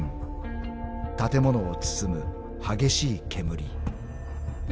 ［建物を包む激しい煙］